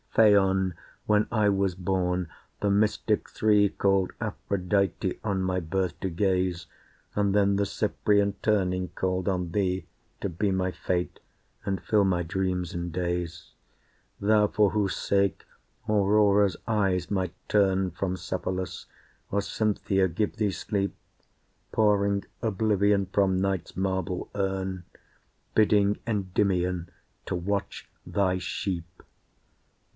Phaon! when I was born, the mystic three Called Aphrodite on my birth to gaze, And then the Cyprian, turning, called on thee To be my fate and fill my dreams and days. Thou for whose sake Aurora's eyes might turn From Cephalus, or Cynthia give thee sleep, Pouring oblivion from night's marble urn, Bidding Endymion to watch thy sheep!